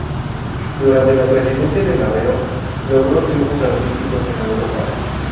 Durante la presidencia de Madero, logró triunfos artísticos en Europa.